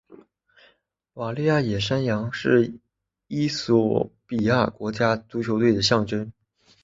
瓦利亚野山羊是衣索比亚国家足球队的象征。